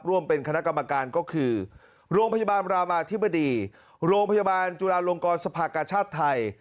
ร่วมเป็นคณะกรรมการก็คือโรงพยาบาลรามาธิบดีโรงพยาบาลจุฬาลงกรสภากชาติไทย